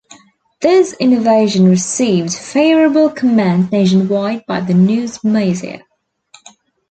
This innovation received favorable comment nationwide by the news media.